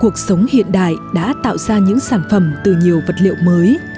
cuộc sống hiện đại đã tạo ra những sản phẩm từ nhiều vật liệu mới